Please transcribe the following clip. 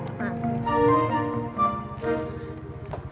nanti gue kasih